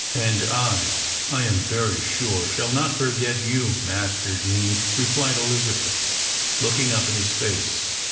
"And I, I am very sure, shall not forget you, Master Deane," replied Elizabeth, looking up in his face.